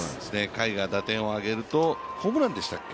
甲斐が打点を挙げるとホームランでしたっけ？